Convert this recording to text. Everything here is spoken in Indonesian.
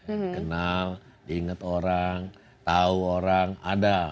dikenal diingat orang tahu orang ada